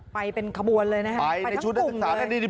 ไปเป็นคบวนเลยนะฮะไปไปชุดนักศึกษานั่นเนี้ย